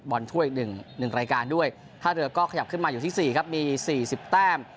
ถ้วยอีกหนึ่งรายการด้วยท่าเรือก็ขยับขึ้นมาอยู่ที่๔ครับมี๔๐แต้ม